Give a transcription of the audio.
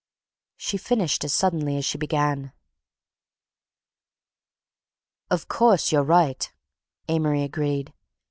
She finished as suddenly as she began. "Of course, you're right," Amory agreed.